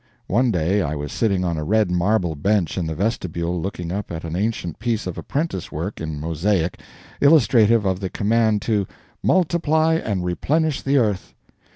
One day I was sitting on a red marble bench in the vestibule looking up at an ancient piece of apprentice work, in mosaic, illustrative of the command to "multiply and replenish the earth."